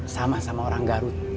sama sama orang garut